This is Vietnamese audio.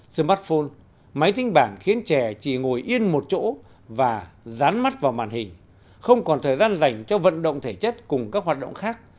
smartphone máy tính bảng khiến trẻ chỉ ngồi yên một chỗ và dán mắt vào màn hình không còn thời gian dành cho vận động thể chất cùng các hoạt động khác